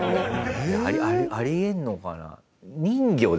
あり得るのかな？